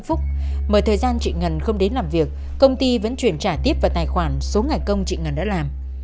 phúc mời thời gian chị ngân không đến làm việc công ty vẫn chuyển trả tiếp vào tài khoản số ngày công chị ngân đã làm